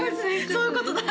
そういうことだ